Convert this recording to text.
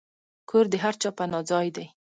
کور د هر چا پناه ځای دی.